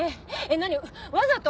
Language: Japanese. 何？わざと？